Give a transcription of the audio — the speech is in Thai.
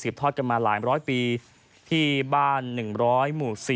บ้านฤทธิ์๑๐๐หมู่๔